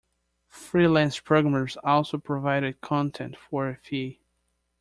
Free-lance programmers also provided content for a fee.